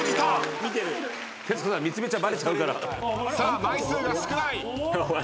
さあ枚数が少ない。